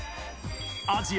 アジア